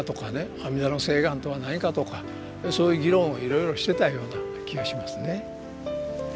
阿弥陀の誓願とは何かとかそういう議論をいろいろしてたような気がしますね。